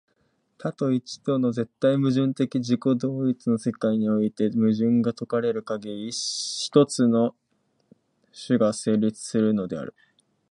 多と一との絶対矛盾的自己同一の世界において、矛盾が解かれるかぎり、一つの種が成立するのである。